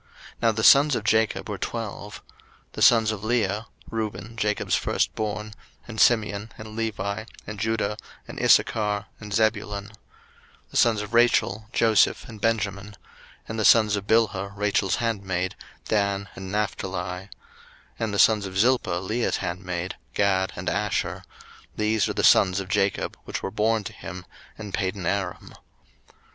Now the sons of Jacob were twelve: 01:035:023 The sons of Leah; Reuben, Jacob's firstborn, and Simeon, and Levi, and Judah, and Issachar, and Zebulun: 01:035:024 The sons of Rachel; Joseph, and Benjamin: 01:035:025 And the sons of Bilhah, Rachel's handmaid; Dan, and Naphtali: 01:035:026 And the sons of Zilpah, Leah's handmaid: Gad, and Asher: these are the sons of Jacob, which were born to him in Padanaram.